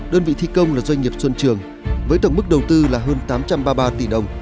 đơn vị thi công là doanh nghiệp xuân trường với tổng mức đầu tư là hơn tám trăm ba mươi ba tỷ đồng